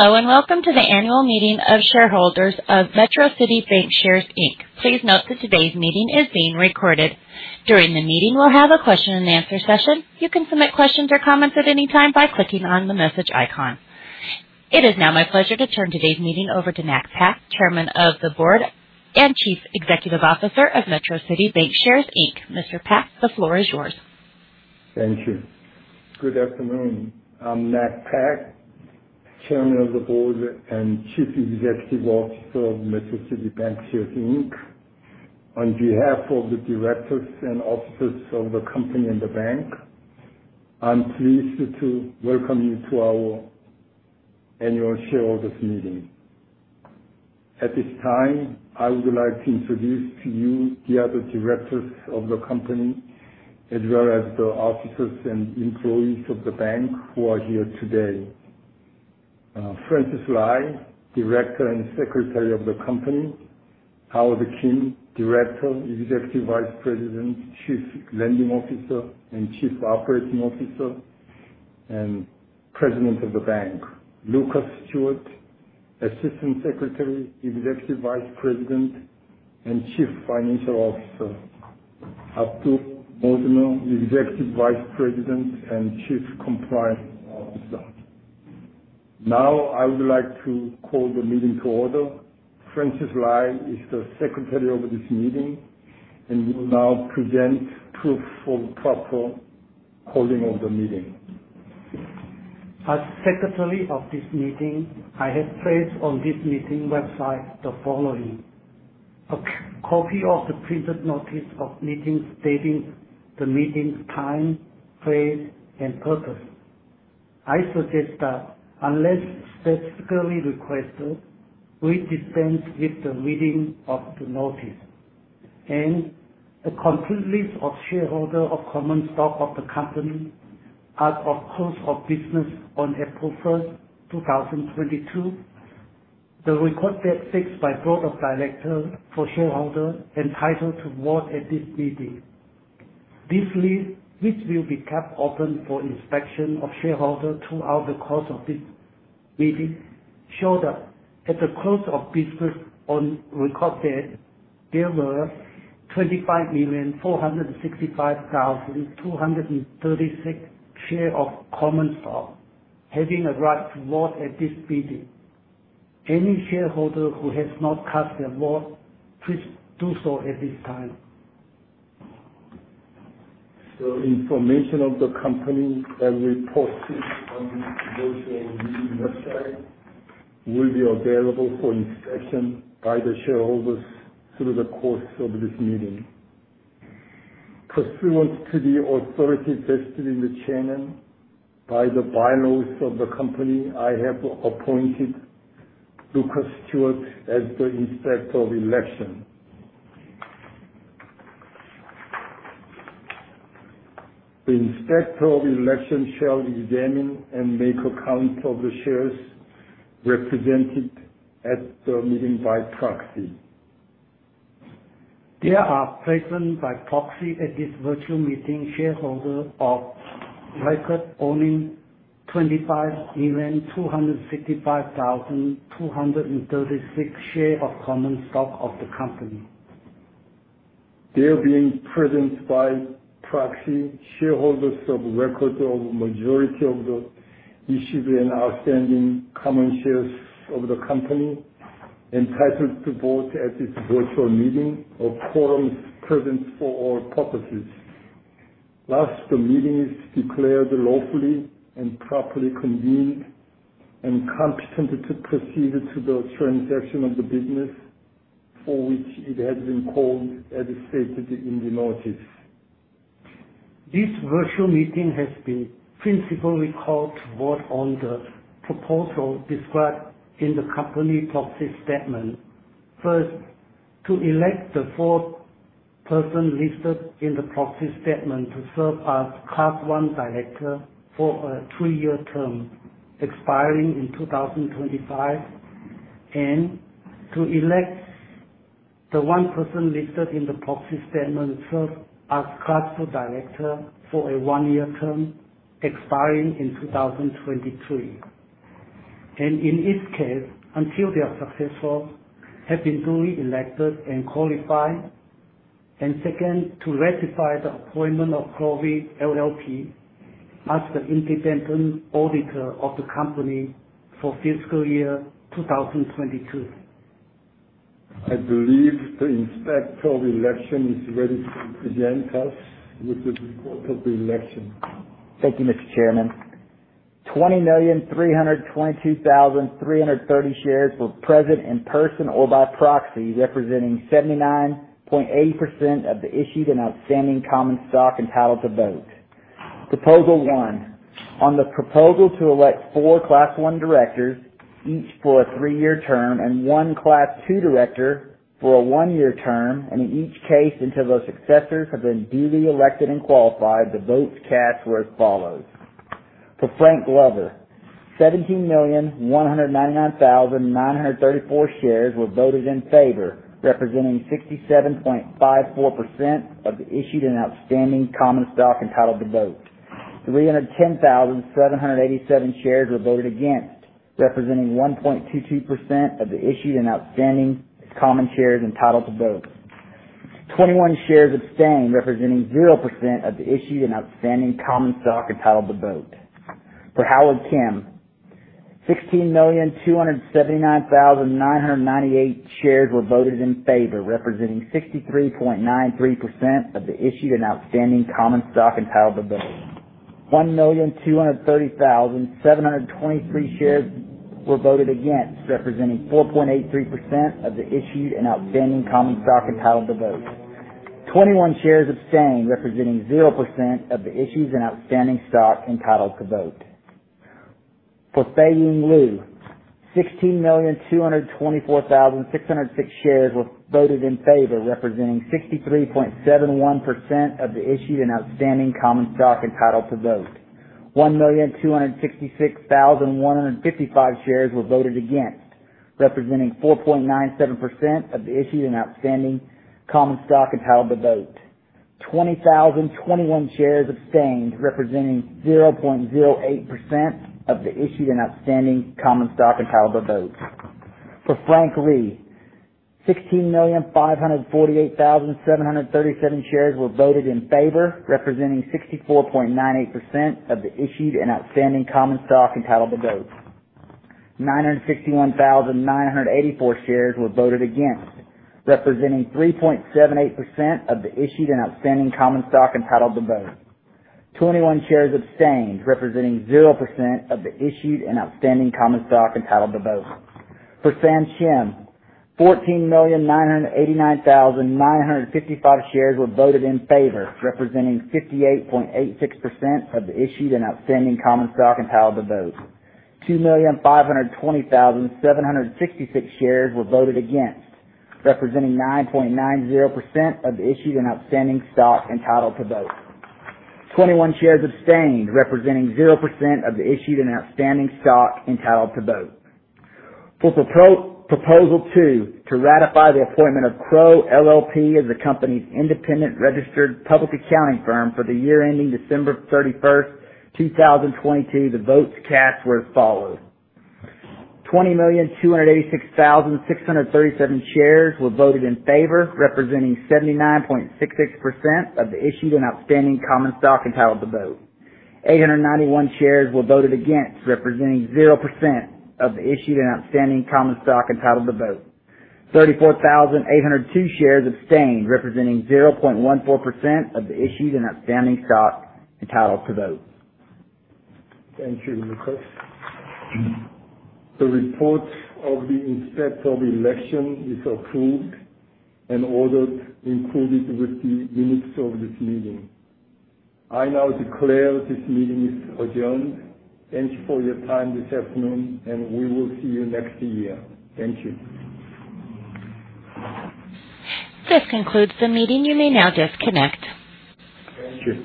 Hello, and welcome to the annual meeting of shareholders of MetroCity Bankshares, Inc. Please note that today's meeting is being recorded. During the meeting, we'll have a question-and-answer session. You can submit questions or comments at any time by clicking on the message icon. It is now my pleasure to turn today's meeting over to Nack Paek, Chairman of the Board and Chief Executive Officer of MetroCity Bankshares, Inc. Mr. Paek, the floor is yours. Thank you. Good afternoon. I'm Nack Paek, Chairman of the Board and Chief Executive Officer of MetroCity Bankshares, Inc. On behalf of the directors and officers of the company and the bank, I'm pleased to welcome you to our annual shareholders meeting. At this time, I would like to introduce to you the other directors of the company as well as the officers and employees of the bank who are here today. Francis Lai, director and secretary of the company. Howard Hwasaeng Kim, director, executive vice president, chief lending officer, chief operating officer, and president of the bank. Lucas Stewart, Assistant Secretary, Executive Vice President, and Chief Financial Officer. Abdul Mohdnor, Executive Vice President and Chief Compliance Officer. Now, I would like to call the meeting to order. Francis Lai is the secretary of this meeting and will now present proof of proper holding of the meeting. As Secretary of this meeting, I have placed on this meeting website the following. A copy of the printed notice of meeting stating the meeting's time, place, and purpose. I suggest that unless specifically requested, we dispense with the reading of the notice. A complete list of shareholders of common stock of the company as of close of business on April 1st, 2022. The record date is set by the board of directors for shareholders entitled to vote at this meeting. This list, which will be kept open for inspection of shareholders throughout the course of this meeting, shows that at the close of business on record date, there were 25,465,236 shares of common stock having a right to vote at this meeting. Any shareholder who has not cast their vote, please do so at this time. The information of the company that we posted on the virtual meeting website will be available for inspection by the shareholders through the course of this meeting. Pursuant to the authority vested in the chairman by the bylaws of the company, I have appointed Lucas Stewart as the Inspector of Election. The Inspector of Election shall examine and make a count of the shares represented at the meeting by proxy. There are present by proxy at this virtual meeting shareholders of record owning 25,265,236 shares of common stock of the company. There being present by proxy shareholders of record of a majority of the issued and outstanding common shares of the company entitled to vote at this virtual meeting, a quorum is present for all purposes. Lastly, the meeting is declared lawfully and properly convened and competent to proceed to the transaction of business for which it has been called, as stated in the notice. This virtual meeting has been principally called to vote on the proposal described in the company proxy statement. First, to elect the four persons listed in the proxy statement to serve as Class I directors for a two-year term expiring in 2025 and to elect the one person listed in the proxy statement to serve as Class II director for a one-year term expiring in 2023. In each case, until their successors have been duly elected and qualified. Second, to ratify the appointment of Crowe LLP as the independent auditor of the company for fiscal year 2022. I believe the inspector of election is ready to present us with the report of the election. Thank you, Mr. Chairman. 20,322,330 shares were present in person or by proxy, representing 79.8% of the issued and outstanding common stock entitled to vote. Proposal 1. On the proposal to elect four Class I directors, each for a three-year term, and one Class II director for a one-year term, in each case until the successors have been duly elected and qualified, the votes cast were as follows: For Frank Glover, 17,999,934 shares were voted in favor, representing 67.54% of the issued and outstanding common stock entitled to vote. 310,787 shares were voted against, representing 1.22% of the issued and outstanding common shares entitled to vote. 21 shares were abstained, representing 0% of the issued and outstanding common stock entitled to vote. For Howard Kim, 16,279,998 shares were voted in favor, representing 63.93% of the issued and outstanding common stock entitled to vote. 1,230,723 shares were voted against, representing 4.83% of the issued and outstanding common stock entitled to vote. 21 shares were abstained, representing 0% of the issued and outstanding stock entitled to vote. For Sei Young Lee, 16,224,606 shares were voted in favor, representing 63.71% of the issued and outstanding common stock entitled to vote. 1,266,155 shares were voted against, representing 4.97% of the issued and outstanding common stock entitled to vote. 20,021 shares abstained, representing 0.08% of the issued and outstanding common stock entitled to vote. For Frank S. Rhee, 16,548,737 shares were voted in favor, representing 64.98% of the issued and outstanding common stock entitled to vote. 961,984 shares were voted against, representing 3.78% of the issued and outstanding common stock entitled to vote. 21 shares abstained, representing 0% of the issued and outstanding common stock entitled to vote. For Sam Shim, 14,989,955 shares were voted in favor, representing 58.86% of the issued and outstanding common stock entitled to vote. 2,500,766 shares were voted against, representing 9.90% of the issued and outstanding stock entitled to vote. 21 shares abstained, representing 0% of the issued and outstanding stock entitled to vote. For proposal two to ratify the appointment of Crowe LLP as the company's independent registered public accounting firm for the year ending December 31st, 2022, the votes cast were as follows. 20,286,637 shares were voted in favor, representing 79.66% of the issued and outstanding common stock entitled to vote. 891 shares were voted against, representing 0% of the issued and outstanding common stock entitled to vote. 34,802 shares abstained, representing 0.14% of the issued and outstanding stock entitled to vote. Thank you, Lucas. The report of the inspector of election is approved and ordered included with the minutes of this meeting. I now declare this meeting adjourned. Thanks for your time this afternoon, and we will see you next year. Thank you. This concludes the meeting. You may now disconnect. Thank you.